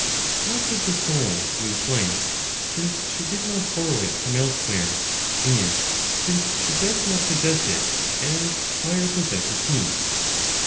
How could the soul lose life, since she did not borrow it from elsewhere, and since she does not possess it as fire possesses heat?